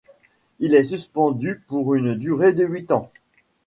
Il est suspendu pour une durée de huit ans.